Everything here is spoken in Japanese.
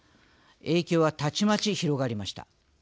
影響は、たちまち広がりました。